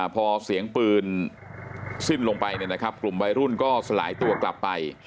พอเสียงปืนสิ้นลงไปกลุ่มวัยรุ่นก็สลายตัวกลับไป